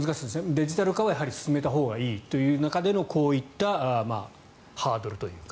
デジタル化はやはり進めたほうがいいという中でのこういったハードルというか。